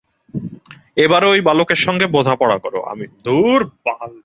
এবারে ঐ বালকের সঙ্গে তুমি বোঝা-পড়া করো, আমি চললুম।